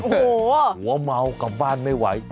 โอ้โหหัวเมากลับบ้านไม่ไหว